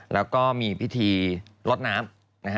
แล้วก็มีพิธีลดน้ำ